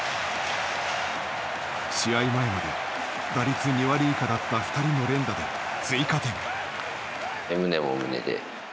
試合前まで打率２割以下だった２人の連打で追加点。